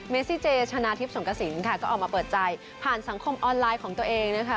ซิเจชนะทิพย์สงกระสินค่ะก็ออกมาเปิดใจผ่านสังคมออนไลน์ของตัวเองนะคะ